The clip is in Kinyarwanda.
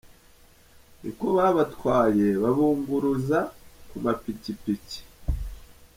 Niko babatwaye, babunguruza ku ma pikipiki.